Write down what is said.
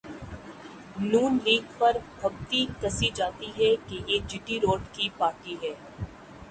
نون league پر پھبتی کسی جاتی ہے کہ یہ جی ٹی روڈ کی پارٹی ہے۔